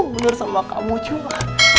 bener sama kamu cua